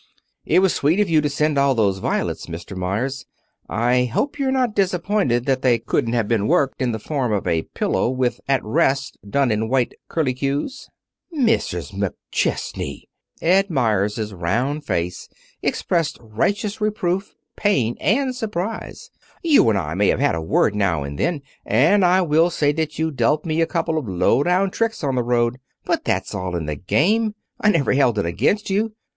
"It was sweet of you to send all those violets, Mr. Meyers. I hope you're not disappointed that they couldn't have been worked in the form of a pillow, with 'At Rest' done in white curlycues." "Mrs. McChesney!" Ed Meyers' round face expressed righteous reproof, pain, and surprise. "You and I may have had a word, now and then, and I will say that you dealt me a couple of low down tricks on the road, but that's all in the game. I never held it up against you.